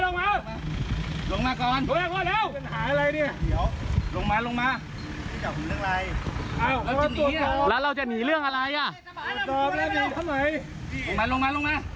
ลงมา